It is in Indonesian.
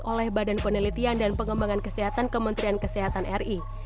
oleh badan penelitian dan pengembangan kesehatan kementerian kesehatan ri